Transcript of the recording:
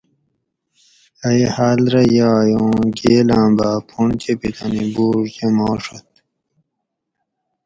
ائی حاۤل رہ یائی اُوں گیلاۤں باۤ پُھونڑ چپی تانی بُوڛ جماڛت